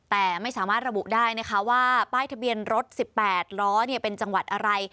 แต่ไม่สามารถระบุได้นะคะว่าป้ายทะเบียนรถ๑๘ล้อเป็นจังหวัดอะไร